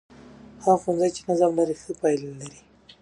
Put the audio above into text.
هغه ښوونځی چې نظم لري، ښه پایله لري.